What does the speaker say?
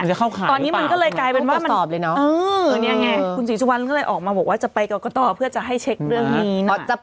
ตอนนี้มันก็เลยกลายเป็นว่ามันตอบเลยเนาะคุณศรีสุวรรณก็เลยออกมาบอกว่าจะไปกรกตเพื่อจะให้เช็คเรื่องนี้